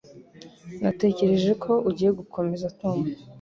Natekereje ko ugiye gukomeza Tom.